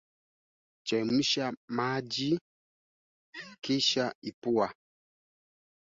Vikosi vya Marekani vilivyopewa jukumu la kukabiliana na kundi la kigaidi la al-Shabab havitalazimika tena